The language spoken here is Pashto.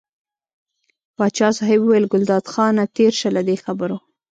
پاچا صاحب وویل ګلداد خانه تېر شه له دې خبرو.